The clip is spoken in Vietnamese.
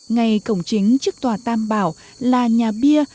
ngày cổng chính trước tòa tam bảo là nhà bia